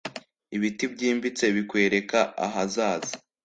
ibiti byimbitse bikwereka ahazaza